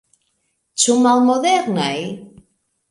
Ĉu malmodernaj?